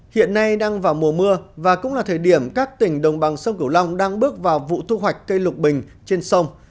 hiện nay đang vào mùa mưa và cũng là thời điểm các tỉnh đồng bằng sông cửu long đang bước vào vụ thu hoạch cây lục bình trên sông